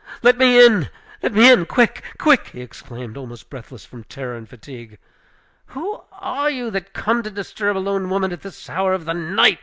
"Let me in! let me in! Quick! quick!" he exclaimed, almost breathless from terror and fatigue. "Who are you, that come to disturb a lone woman at this hour of the night?"